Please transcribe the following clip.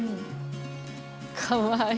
かわいい。